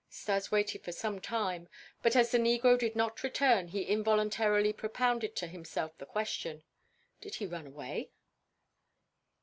Stas waited for some time, but as the negro did not return, he involuntarily propounded to himself the question: "Did he run away?"